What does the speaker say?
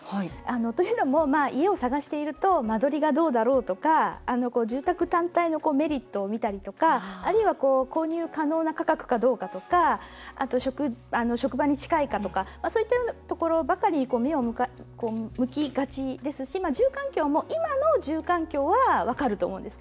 というのも家を探していると間取りがどうだろうとか住宅単体のメリットを見たりとかあるいは購入可能な価格かどうかとかあと、職場に近いかとかそういったようなところばかり目が向きがちですし、住環境も今の住環境は分かると思うんです。